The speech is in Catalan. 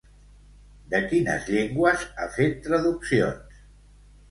De quines llengües ha fet traduccions?